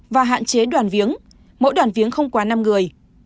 và hạn chế đoàn viếng mỗi đoàn viếng không quá năm người